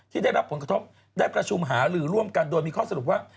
ที่ได้รับผลกระทบได้ประชุมหาลือร่วมกันโดยมีข้อสรุปว่า